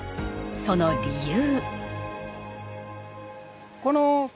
その理由。